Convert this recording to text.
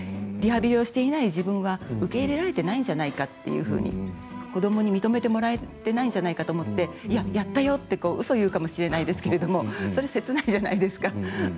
リハビリをしていない自分は受け入れられてないんじゃないかっていうふうに子どもに認めてもらえてないんじゃないかと思っていや、やったよって、うそを言うかもしれないですけれどもそれ、切ないじゃないですか。